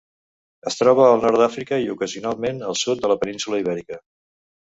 Es troba al nord d'Àfrica i ocasionalment al sud de la península Ibèrica.